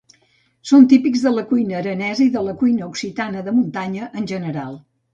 Són típics de la cuina aranesa i de la cuina occitana de muntanya en general.